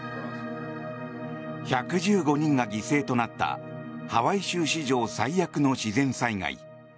１１５人が犠牲となったハワイ州史上最悪の自然災害。